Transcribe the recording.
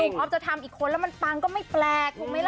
คุณอ๊อฟจะทำอีกคนแล้วมันปังก็ไม่แปลกถูกไหมล่ะ